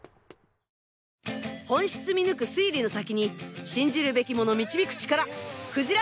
本質見抜く推理の先に信じるべきもの導く力クジラ